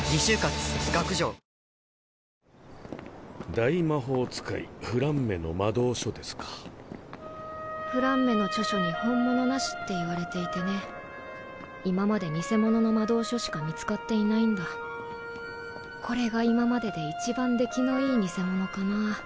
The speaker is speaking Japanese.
大魔法使いフランメの魔導フランメの著書に本物な今まで偽物の魔導書しか見つかっていないこれが今までで一番出来のいい偽物かな